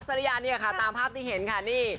ริยาเนี่ยค่ะตามภาพที่เห็นค่ะนี่